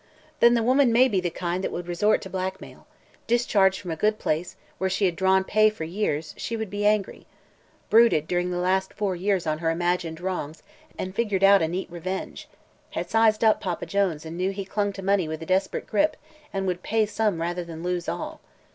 "Then the woman may be the kind that would resort to blackmail. Discharged from a good place, where she had drawn pay for years, she would be angry. Brooded during the last four years on her imagined wrongs and figured out a neat revenge. Had sized up Papa Jones and knew he clung to money with a desperate grip and would pay some rather than lose all.